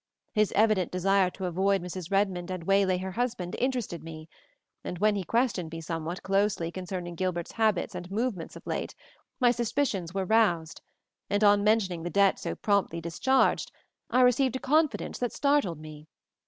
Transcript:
His evident desire to avoid Mrs. Redmond and waylay her husband interested me, and when he questioned me somewhat closely concerning Gilbert's habits and movements of late, my suspicions were roused; and on mentioning the debt so promptly discharged, I received a confidence that startled me.